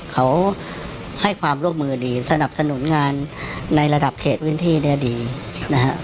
เขาให้ความร่วมมือดีสนับสนุนงานในระดับเขตพื้นที่เนี่ยดีนะฮะ